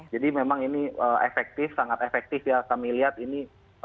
jadi memang ini efektif sangat efektif ya kami lihat ini